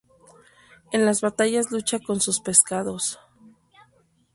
En las batallas lucha con sus pescados.